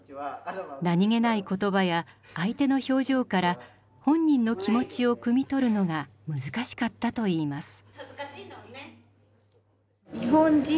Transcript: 何気ない言葉や相手の表情から本人の気持ちをくみ取るのが難しかったといいます。